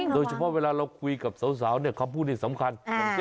โดยเฉพาะเวลาเราคุยกับสาวเนี่ยคำพูดเนี่ยสำคัญ